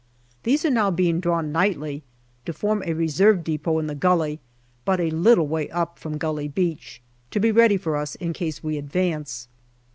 These are now being drawn nightly, to form a reserve depot in the gully, but a little way up from Gully Beach, to be ready for us in case we advance.